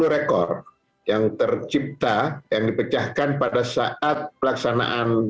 tujuh rekor yang tercipta yang dipecahkan pada saat pelaksanaan